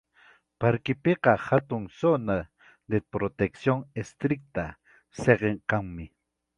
Parkipiqa hatun zona de "protección estricta" siqa kanmi.